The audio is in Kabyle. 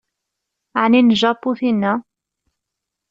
Ɛni n Japu tina?